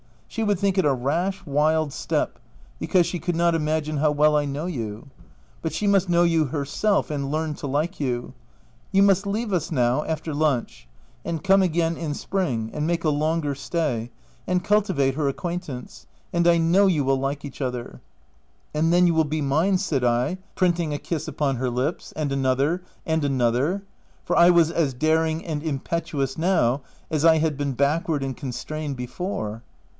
P She would think it a rash, wild step, because she could not imagine how well I know you ; but she must know you herself, and learn to like you. You must leave us now, after lunch, and come again in spring, and make a longer stay, and cultivate her acquaintance; and I know you will like each other/* " And then you will be mine," said I print 332 THE TENANT ing a kiss upon her lips, and another, and another — for I was as daring and impetuous now as I had been backward and constrained before.